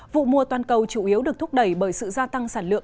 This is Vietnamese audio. vụ mùa toàn cầu chủ yếu được thúc đẩy bởi sự gia tăng sản lượng